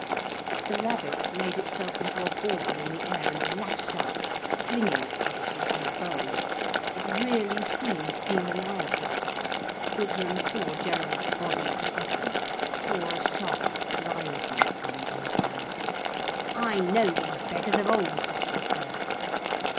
The rabbit made itself into a ball in the air, and lashed out, flinging itself into a bow. It really seemed demoniacal. Gudrun saw Gerald's body tighten, saw a sharp blindness come into his eyes. "I know these beggars of old," he said.